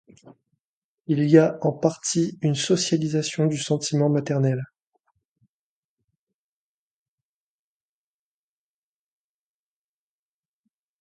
Il y a en partie une socialisation du sentiment maternel.